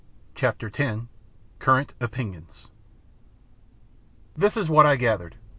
CHAPTER X. CURRENT OPINIONS This is what I gathered.